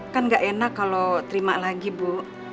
kan gak enak kalau terima lagi bu